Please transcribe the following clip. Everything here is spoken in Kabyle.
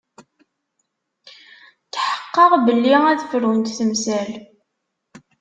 Tḥeqqeɣ belli ad frunt temsal.